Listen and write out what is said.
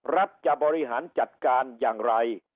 รัฐจะบริหารจัดการอย่างไร